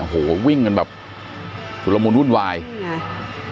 โอ้โหวิ่งกันแบบสุรมูลรุ่นวายตัวแบบนี่ไง